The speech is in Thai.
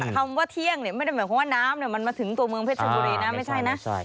คำว่าเที่ยงเนี่ยไม่ได้หมายความว่าน้ำมันมาถึงตัวเมืองเพชรบุรีนะไม่ใช่นะ